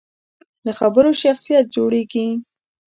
له خبرو شخصیت جوړېږي.